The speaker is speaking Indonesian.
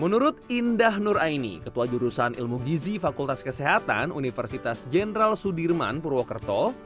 menurut indah nuraini ketua jurusan ilmu gizi fakultas kesehatan universitas general sudirman purwokerto